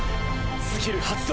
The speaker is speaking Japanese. スキル発動！